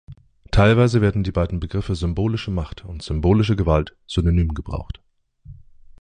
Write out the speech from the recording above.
Teilweise werden die beiden Begriffe symbolische Macht und symbolische Gewalt synonym gebraucht.